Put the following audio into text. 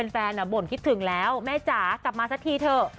บ่นคิดถึงแล้วแม่จ๋ากลับมาสักทีเถอะ